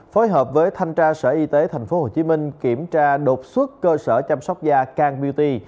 phối hợp với thanh tra sở y tế tp hcm kiểm tra đột xuất cơ sở chăm sóc da camputi